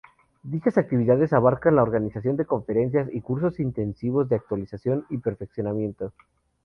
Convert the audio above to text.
Dichas actividades abarcan la organización de conferencias, y cursos intensivos de actualización y perfeccionamiento.